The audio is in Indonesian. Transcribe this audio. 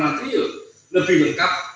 material lebih lengkap